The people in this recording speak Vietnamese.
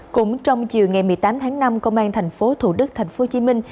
cũng trong chiều ngày một mươi tám tháng năm công an thành phố thủ đức thành phố hồ chí minh